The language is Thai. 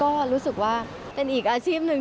ก็รู้สึกว่าเป็นอีกอาชีพหนึ่ง